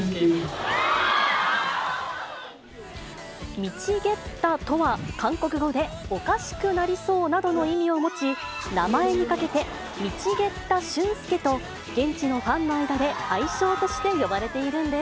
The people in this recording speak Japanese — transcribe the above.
ミチゲッタとは、韓国語で、おかしくなりそうなどの意味を持ち、名前にかけて、ミチゲッタシュンスケと、現地のファンの間で愛称として呼ばれているんです。